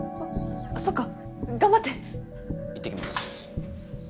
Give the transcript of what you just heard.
そっか頑張って行ってきます